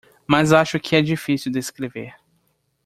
Mas acho que é difícil descrever